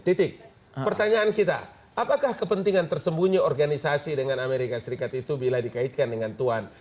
titik pertanyaan kita apakah kepentingan tersembunyi organisasi dengan amerika serikat itu bila dikaitkan dengan tuhan